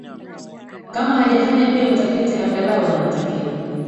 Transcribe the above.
kama hajafanya pia utafiti angalau wanatakiwa